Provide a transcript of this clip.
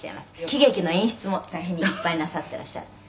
「喜劇の演出も大変いっぱいなさっていらっしゃる」